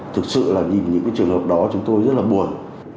thực sự là nhìn những cái trường hợp đó chúng tôi rất là buồn